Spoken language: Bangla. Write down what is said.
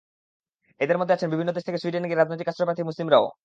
এঁদের মধ্যে আছেন বিভিন্ন দেশ থেকে সুইডেনে গিয়ে রাজনৈতিক আশ্রয়প্রার্থী মুসলিমরাও।